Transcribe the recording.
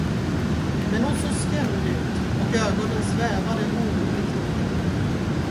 Men hon såg skrämd ut och ögonen svävade oroligt omkring.